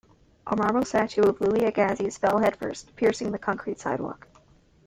A marble statue of Louis Agassiz fell headfirst, piercing the concrete sidewalk.